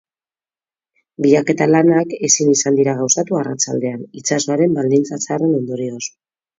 Bilaketa lanak ezin izan dira gauzatu arratsaldean, itsasoaren baldintza txarren ondorioz.